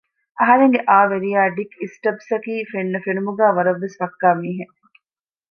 އަހަރެންގެ އައު ވެރިޔާ ޑިކް އިސްޓަބްސް އަކީ ފެންނަ ފެނުމުގައި ވަރަށް ވެސް ފައްކާ މީހެއް